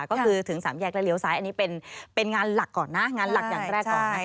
ก็คือถึงสามแยกและเลี้ยวซ้ายอันนี้เป็นงานหลักก่อนนะงานหลักอย่างแรกก่อนนะคะ